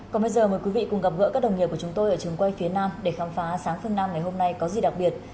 còn bây giờ mời quý vị cùng gặp gỡ các đồng nghiệp của chúng tôi ở trường quay phía nam để khám phá sáng phương nam ngày hôm nay có gì đặc biệt